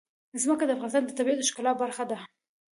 ځمکه د افغانستان د طبیعت د ښکلا برخه ده.